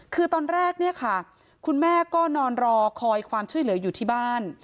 คือตอนแรกเนี่ยค่ะคุณแม่ก็นอนรอคอยความช่วยเหลืออยู่ที่บ้าน